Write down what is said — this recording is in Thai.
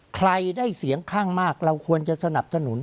ใครได้เสียงข้างมากเราควรจะสนับสนุน